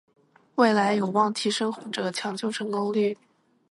未来有望提升患者抢救成功率